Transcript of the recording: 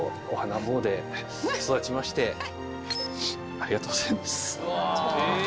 ありがとうございます。